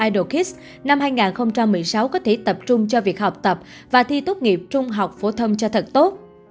idorkis năm hai nghìn một mươi sáu có thể tập trung cho việc học tập và thi tốt nghiệp trung học phổ thông cho thật tốt